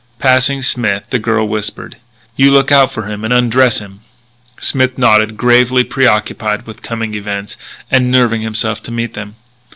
Passing Smith, the girl whispered: "You look out for him and undress him." Smith nodded, gravely preoccupied with coming events, and nerving himself to meet them.